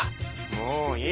もういい。